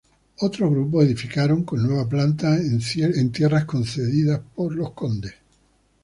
Otros grupos edificaron con nueva planta, en tierras concedidas por los condes.